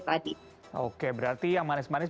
tadi oke berarti yang manis manis